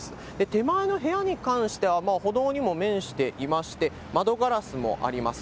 手前の部屋に関しては、歩道にも面していまして、窓ガラスもあります。